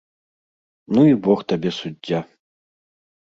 - Ну i бог табе суддзя...